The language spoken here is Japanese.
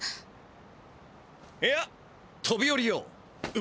いやとびおりよう。